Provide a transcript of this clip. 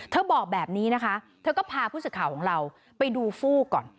บอกแบบนี้นะคะเธอก็พาผู้สื่อข่าวของเราไปดูฟูกก่อน